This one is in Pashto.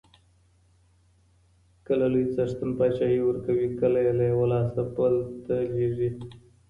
کله لوی څښتن پاچاهي ورکوي، کله یې له یوه لاسه بل ته لیږي.